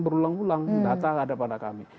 berulang ulang data ada pada kami